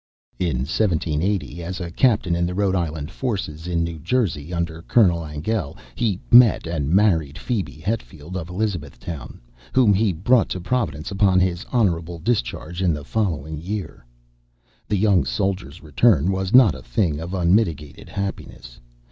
In 1780, as a captain in the Rhode Island forces in New Jersey under Colonel Angell, he met and married Phebe Hetfield of Elizabethtown, whom he brought to Providence upon his honorable discharge in the following year. The young soldier's return was not a thing of unmitigated happiness.